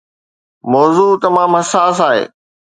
موضوع تمام حساس آهي.